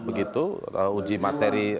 begitu uji materi